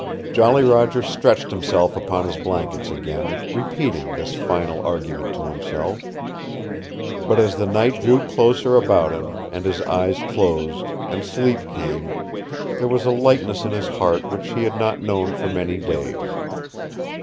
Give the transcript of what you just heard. Jolly Roger stretched himself upon his blankets again, repeating this final argument to himself. But as the night drew closer about him, and his eyes closed, and sleep came, there was a lightness in his heart which he had not known for many days.